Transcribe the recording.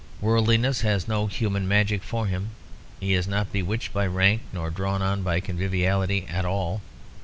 Worldliness has no human magic for him; he is not bewitched by rank nor drawn on by conviviality at all.